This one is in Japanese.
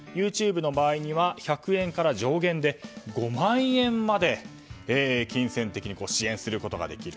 ＹｏｕＴｕｂｅの場合には１００円から上限で５万円まで金銭的に支援できると。